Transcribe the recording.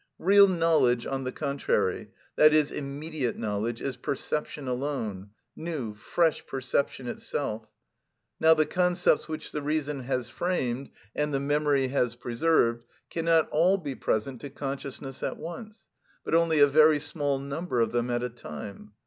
Real knowledge, on the contrary, that is, immediate knowledge, is perception alone, new, fresh perception itself. Now the concepts which the reason has framed and the memory has preserved cannot all be present to consciousness at once, but only a very small number of them at a time.